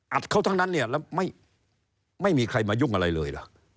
เขาทั้งนั้นเนี่ยแล้วไม่มีใครมายุ่งอะไรเลยล่ะ